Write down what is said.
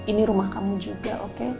ini rumah kamu juga oke